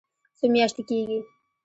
څو میاشتې کیږي؟